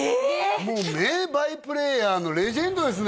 もう名バイプレーヤーのレジェンドですね